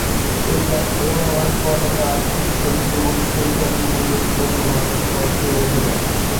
এটি ব্যর্থ হওয়ার ফলে তার আর্থিক ক্ষতি ও সেইসঙ্গে উল্লেখযোগ্য মানসিক কষ্ট হয়েছিল।